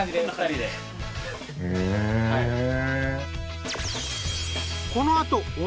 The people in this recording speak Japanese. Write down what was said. へえ。